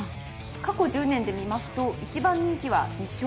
過去１０年で見ますと１番人気は２勝。